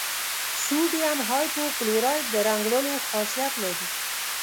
سوډیم هایپو کلورایټ د رنګ وړلو خاصیت لري.